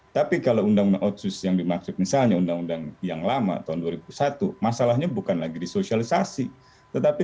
tapi kalau undang undang otsus yang dimaksud misalnya undang undang yang lama tahun dua ribu satu masalahnya bukan lagi disosialisasi tetapi